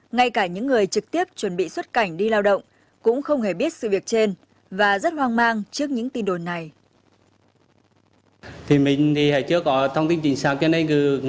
ngay cả những người trực tiếp chuẩn bị xuất cảnh đi lao động cũng không hề biết sự việc trên và rất hoang mang trước những tin đồn này